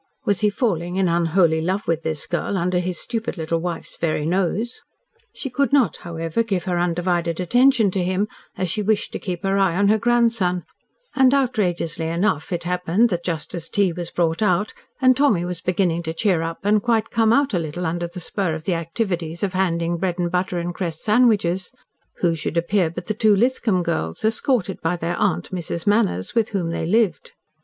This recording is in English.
Was he falling in unholy love with the girl, under his stupid little wife's very nose? She could not, however, give her undivided attention to him, as she wished to keep her eye on her grandson and outrageously enough it happened that just as tea was brought out and Tommy was beginning to cheer up and quite come out a little under the spur of the activities of handing bread and butter and cress sandwiches, who should appear but the two Lithcom girls, escorted by their aunt, Mrs. Manners, with whom they lived.